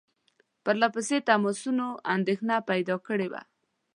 پرله پسې تماسونو اندېښنه پیدا کړې وه.